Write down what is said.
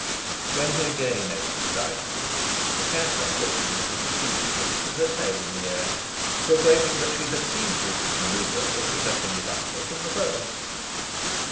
When he again entered the dining room the cat unfortunately preceded him, with her tail in the air, proclaiming that she had seen through this manouevre for suppressing the butler from the first....